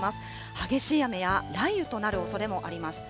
激しい雨や雷雨となるおそれもあります。